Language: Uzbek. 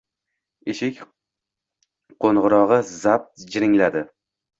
Eshik qo‘ng‘irog‘I zap jiringladi.